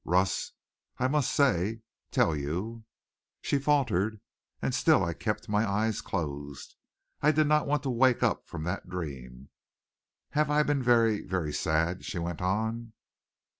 "Russ, I must say tell you " She faltered, and still I kept my eyes closed. I did not want to wake up from that dream. "Have I been very very sad?" she went on.